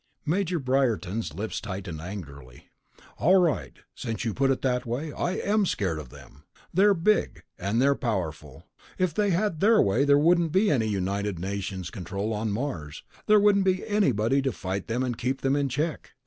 Major Briarton's lips tightened angrily. "All right, since you put it that way ... I am scared of them. They're big, and they're powerful. If they had their way, there wouldn't be any United Nations control on Mars, there wouldn't be anybody to fight them and keep them in check.